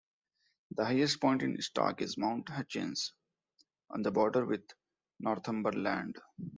The highest point in Stark is Mount Hutchins, on the border with Northumberland.